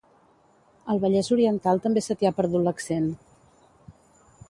Al Vallès oriental també se t'hi ha perdut l'accent